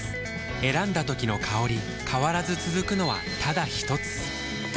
選んだ時の香り変わらず続くのはただひとつ？